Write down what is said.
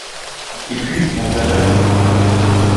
Et puis, on verra Dieu.